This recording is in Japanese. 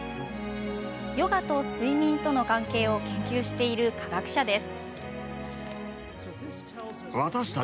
睡眠とヨガの関係を研究している科学者です。